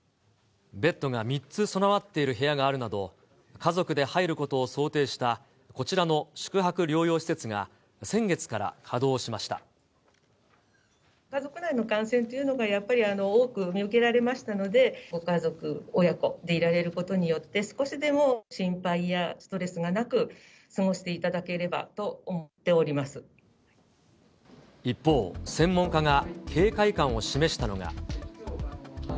ベッドが３つ備わっている部屋があるなど、家族で入ることを想定した、こちらの宿泊療養施設家族内の感染というのがやっぱり多く見受けられましたので、ご家族、親子でいられることによって、少しでも心配やストレスがなく、過ごしていただければと思ってお一方、専門家が警戒感を示したのが。